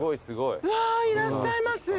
うわいらっしゃいます。